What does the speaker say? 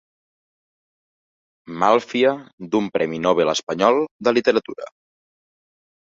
Malfia d'un premi Nobel espanyol de literatura.